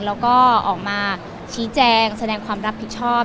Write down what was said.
แล้วก็ออกมาชี้แจงแสดงความรับผิดชอบ